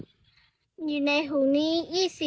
อยู่ในถุงนี้๒๐บาท